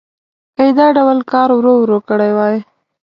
که یې دا ډول کار ورو ورو کړی وای.